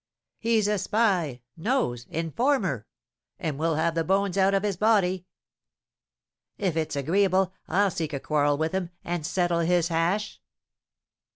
"He's a spy nose informer! and we'll have the bones out of his body!" "If it's agreeable, I'll seek a quarrel with him, and settle his hash!"